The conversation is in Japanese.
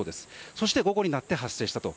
そして午後になって発生したと。